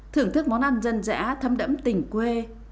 thưởng thức món ăn dân dã thấm đẫm tình quê